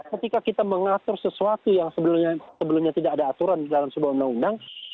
ketika kita mengatur sesuatu yang sebelumnya tidak ada aturan dalam sebuah undang undang